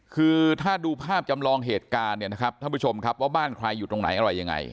คือถ้าดูภาพจำลองเหตุการณ์เนี่ยนะครับท่านผู้ชมครับว่าบ้านใครอยู่ตรงไหนอะไรยังไง